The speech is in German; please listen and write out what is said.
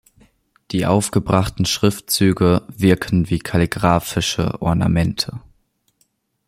Die aufgebrachten Schriftzüge wirken wie kalligrafische Ornamente.